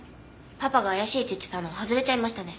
パパが怪しいって言ってたの外れちゃいましたね。